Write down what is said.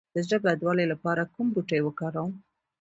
د زړه بدوالي لپاره کوم بوټی وکاروم؟